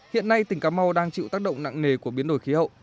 hiện nay tỉnh cà mau đang chịu tác động nặng nề của biến đổi khí hậu